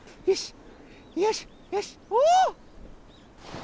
よし！